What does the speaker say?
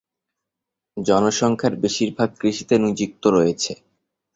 জনসংখ্যার বেশিরভাগ কৃষিতে নিযুক্ত রয়েছে।